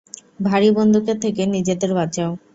ভারী বন্দুকের থেকে নিজেদের বাঁচাও।